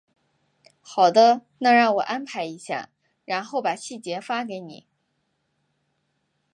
好的，那让我安排一下，然后把细节发给你。